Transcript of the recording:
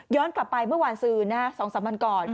ย้อนกลับไปเมื่อวานสือนะ๒๓บันกอด